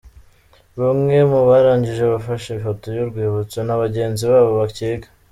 Bamwe mu barangije bafashe ifoto y'u rwibutso na bagenzi babo bakiga.